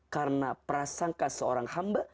karena prasangka seorang hamba